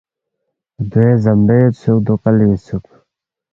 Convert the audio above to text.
ردوے زمبے یودسُوک، دو کلے یودسُوک